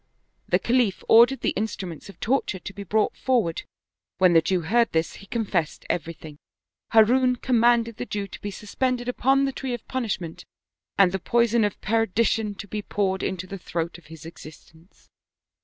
The Khalif ordered the instruments of tor ture to be brought forward; when the Jew heard this he 177 Oriental Mystery Stories confessed everything. Harun commanded the Jew to be suspended upon the tree of punishment, and the poison of perdition to be poured into the throat of his existence.